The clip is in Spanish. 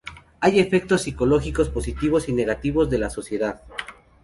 Hay efectos psicológicos positivos y negativos de la soledad.